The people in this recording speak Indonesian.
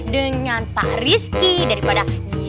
dengan pak rizky daripada